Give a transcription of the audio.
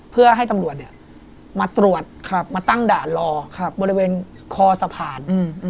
เพื่อให้ตำรวจมาตรวจมาตั้งด่านรอ